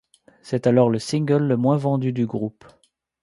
C'est alors le single le moins vendu du groupe.